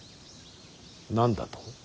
何だと。